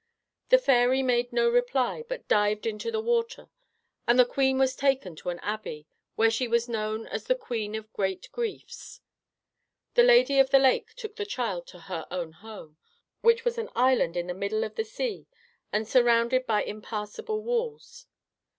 The fairy made no reply, but dived into the water; and the queen was taken to an abbey, where she was known as the Queen of Great Griefs. The Lady of the Lake took the child to her own home, which was an island in the middle of the sea and surrounded by impassable walls.